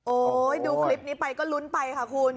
โอ้โหดูคลิปนี้ไปก็ลุ้นไปค่ะคุณ